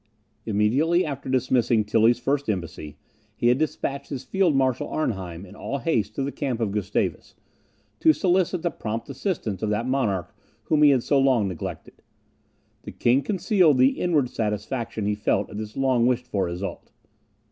Immediately after dismissing Tilly's first embassy, he had despatched his field marshal Arnheim in all haste to the camp of Gustavus, to solicit the prompt assistance of that monarch whom he had so long neglected. The king concealed the inward satisfaction he felt at this long wished for result.